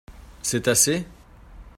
C'est assez ?